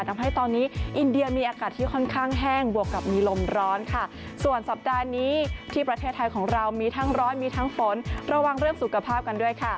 ทำให้ตอนนี้อินเดียมีอากาศที่ค่อนข้างแห้งบวกกับมีลมร้อนค่ะส่วนสัปดาห์นี้ที่ประเทศไทยของเรามีทั้งร้อนมีทั้งฝนระวังเรื่องสุขภาพกันด้วยค่ะ